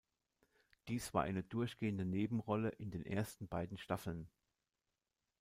Dies war eine durchgehende Nebenrolle in den ersten beiden Staffeln.